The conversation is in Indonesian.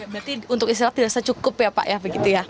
berarti untuk istirahat tidak secukup ya pak ya begitu ya